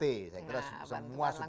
saya kira semua sudah